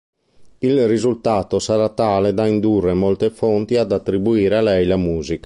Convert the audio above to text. Il risultato sarà tale da indurre molte fonti ad attribuire a lei la musica.